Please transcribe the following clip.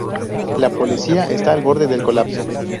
La policía está al borde del colapso.